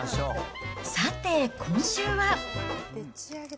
さて、今週は。